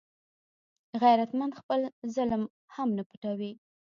غیرتمند خپل ظلم هم نه پټوي